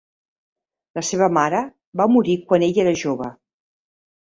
La seva mare va morir quan ell era jove.